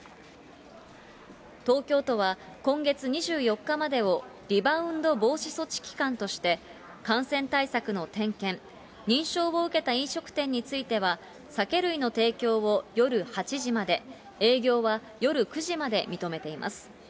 東京都は、今月２４日までをリバウンド防止措置期間として、感染対策の点検、認証を受けた飲食店については、酒類の提供を夜８時まで、営業は夜９時まで認めています。